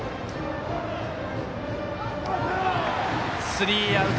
スリーアウト。